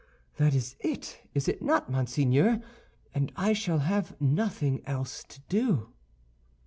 That is it, is it not, monseigneur, and I shall have nothing else to do?"